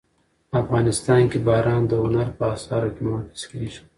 افغانستان کې باران د هنر په اثار کې منعکس کېږي.